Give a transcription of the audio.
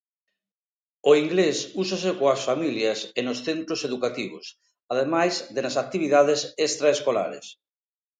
O inglés úsase coas familias e nos centros educativos, ademais de nas actividades extraescolares.